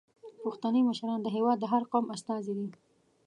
پښتني مشران د هیواد د هر قوم استازي دي.